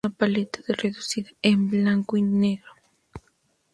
Calle utiliza una paleta reducida en blanco y negro.